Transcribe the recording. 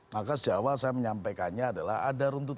maka sejauh saya menyampaikannya adalah ada runtutan